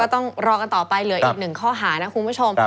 ต้องรอกันต่อไปเหลืออีกหนึ่งข้อหานะคุณผู้ชม